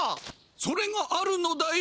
それがあるのだよ。